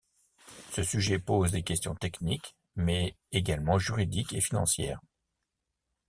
Ce sujet pose des questions techniques mais également juridiques et financières.